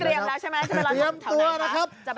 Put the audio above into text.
เตรียมตัวนะครับ